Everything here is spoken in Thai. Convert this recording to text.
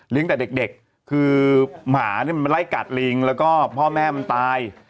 แต่เด็กคือหมาเนี่ยมันไล่กัดลิงแล้วก็พ่อแม่มันตาย